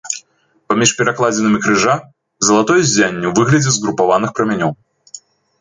Паміж перакладзінамі крыжа залатое ззянне ў выглядзе згрупаваных прамянёў.